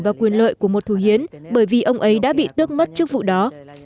và quyền lợi của một thủ hiến bởi vì ông ấy đã bị tước mất chức vụ đó